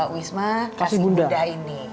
wisma kasih bunda ini